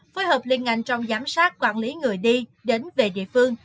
phối hợp liên ngành trong giám sát quản lý người đi đến về địa phương